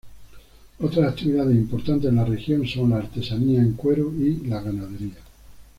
Otras actividades importantes en la región son la artesanía en cuero y la ganadería.